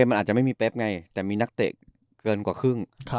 มันอาจจะไม่มีเป๊บไงแต่มีนักเตะเกินกว่าครึ่ง